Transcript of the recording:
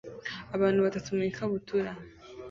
Abantu batatu mu ikabutura